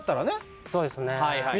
そうですね。